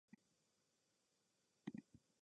誰がネギを入れていいって言ったんだ